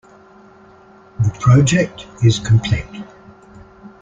The project is complete.